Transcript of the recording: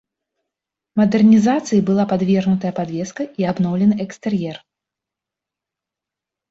Мадэрнізацыі была падвергнутая падвеска і абноўлены экстэр'ер.